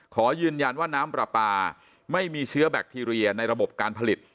ขอยืนยันว่าน้ำปลาปลาไม่มีเชื้อแบคทีเรียในระบบการผลิต